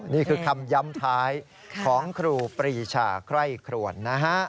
นี่คือคำย้ำท้ายของครูปรีชาไคร่ครวนนะฮะ